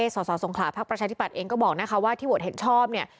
สสงขลาภักดิ์ประชาธิบัตย์เองก็บอกนะคะว่าที่โหวตเห็นชอบเนี่ย